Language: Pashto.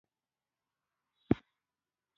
انا د ښو زامنو دعا کوي